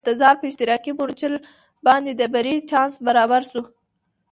د تزار پر اشتراکي مورچل باندې د بري چانس برابر شو.